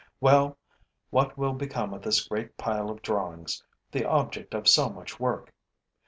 Well, what will become of this great pile of drawings, the object of so much work?